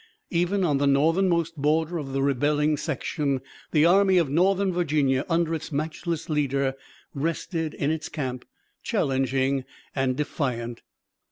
Even on the northernmost border of the rebelling section the Army of Northern Virginia under its matchless leader, rested in its camp, challenging and defiant.